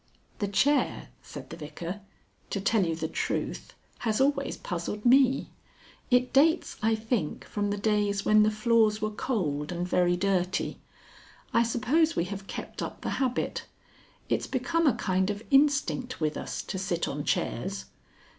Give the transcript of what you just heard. "The chair," said the Vicar, "to tell you the truth, has always puzzled me. It dates, I think, from the days when the floors were cold and very dirty. I suppose we have kept up the habit. It's become a kind of instinct with us to sit on chairs.